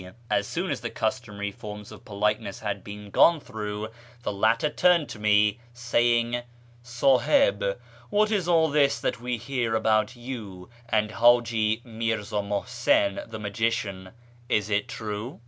As soon as the customary forms of politeness had been gone through, the latter turned to me, saying —" Siihib, what is all this that we hear about you and H;'iji Mirza Muhsin the magician ? Is it true